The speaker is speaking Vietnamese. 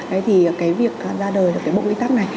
thế thì cái việc ra đời cái bộ quý tắc này